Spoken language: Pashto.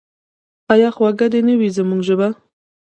آیا خوږه دې نه وي زموږ ژبه؟